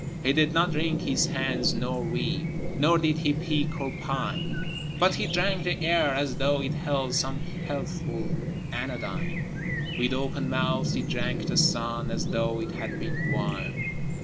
He did not wring his hands nor weep, Nor did he peek or pine, But he drank the air as though it held Some healthful anodyne; With open mouth he drank the sun As though it had been wine!